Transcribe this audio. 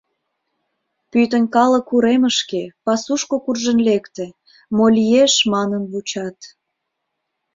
Пӱтынь калык уремышке, пасушко куржын лекте, мо лиеш, манын вучат.